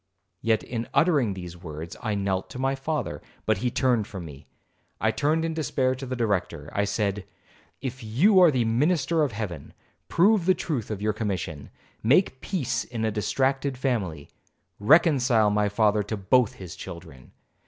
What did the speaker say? Yet, in uttering these words, I knelt to my father, but he turned from me. I turned in despair to the Director. I said, 'If you are the minister of Heaven, prove the truth of your commission,—make peace in a distracted family, reconcile my father to both his children.